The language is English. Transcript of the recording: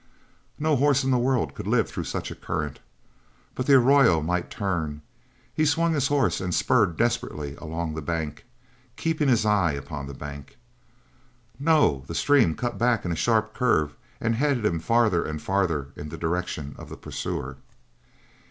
No horse in the world could live through such a current. But the arroyo might turn. He swung his horse and spurred desperately along the bank, keeping his eye upon the bank. No, the stream cut back in a sharp curve and headed him farther and farther in the direction of the pursuer.